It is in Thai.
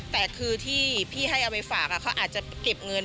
แต่คือที่พี่ให้เอาไปฝากเขาอาจจะเก็บเงิน